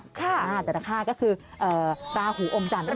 จันทราฮาสก็คือราหูอมจันทร์